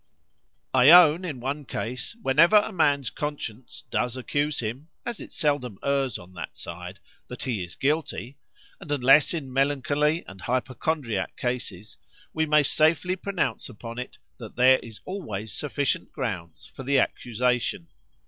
"I own, in one case, whenever a man's conscience does accuse him (as it seldom errs on that side) that he is guilty;—and unless in melancholy and hypocondriac cases, we may safely pronounce upon it, that there is always sufficient grounds for the accusation.